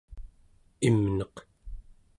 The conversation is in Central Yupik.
imneq